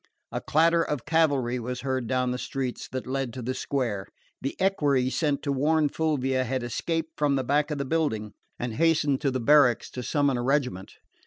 A clatter of cavalry was heard down the streets that led to the square. The equerry sent to warn Fulvia had escaped from the back of the building and hastened to the barracks to summon a regiment.